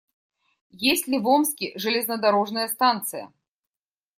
Есть ли в Омске железнодорожная станция?